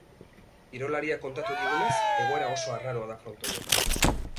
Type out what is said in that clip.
Kirolariak kontatu digunez, egoera oso arraroa da frontoian.